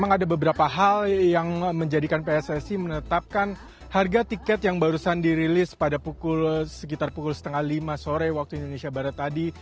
ada beberapa hal yang menjadikan pssi menetapkan harga tiket yang barusan dirilis pada sekitar pukul setengah lima sore waktu indonesia barat tadi